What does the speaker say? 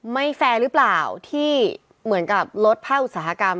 แฟร์หรือเปล่าที่เหมือนกับลดภาคอุตสาหกรรม